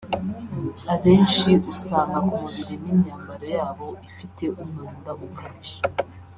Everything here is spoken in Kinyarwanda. abenshi usanga ku mubiri n’imyambaro yabo ifite umwanda ukabije